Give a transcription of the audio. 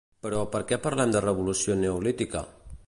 Però perquè parlem de revolució neolítica?